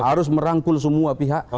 harus merangkul semua pihak